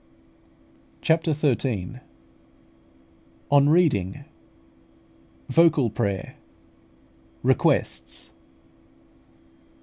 CHAPTER XIII. ON READING VOCAL PRAYER REQUESTS.